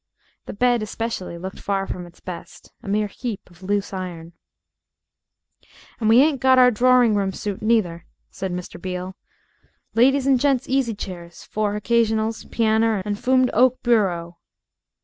The bed especially looked far from its best a mere heap of loose iron. "And we ain't got our droring room suit, neither," said Mr. Beale. "Lady's and gent's easy chairs, four hoccasionals, pianner, and foomed oak booreau."